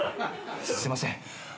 すいません。